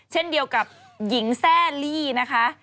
เช่นเดียวกับหญิงแซ่ลี่นะคะ